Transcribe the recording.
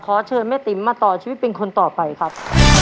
ขอเชิญแม่ติ๋มมาต่อชีวิตเป็นคนต่อไปครับ